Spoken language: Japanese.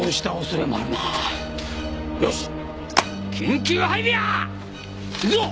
行くぞ！